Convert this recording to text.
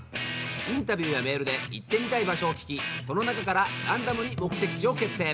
インタビューやメールで行ってみたい場所を聞きその中からランダムに目的地を決定。